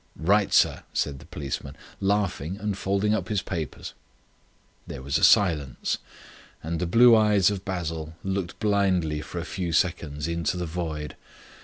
"Right, sir," said the policeman, laughing and folding up his papers. There was a silence, and the blue eyes of Basil looked blindly for a few seconds into the void.